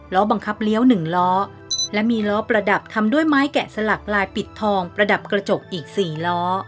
ล้อบังคับเลี้ยว๑ล้อและมีล้อประดับทำด้วยไม้แกะสลักลายปิดทองประดับกระจกอีก๔ล้อ